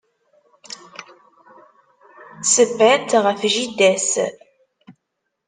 Semman-tt ɣef jida-s.